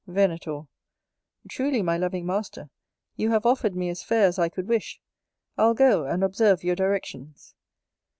Venator. Truly, my loving master, you have offered me as fair as I could wish. I'll go and observe your directions.